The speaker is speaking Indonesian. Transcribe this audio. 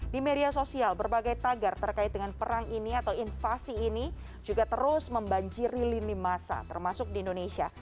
di media sosial berbagai tagar terkait dengan perang ini atau invasi ini juga terus membanjiri lini masa termasuk di indonesia